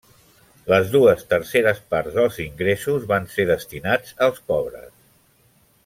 Les dues terceres parts dels ingressos van ser destinats als pobres.